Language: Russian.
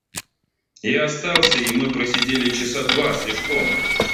Я остался, и мы просидели часа два с лишком.